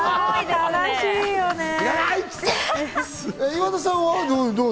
岩田さんは、どう？